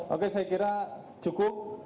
oke saya kira cukup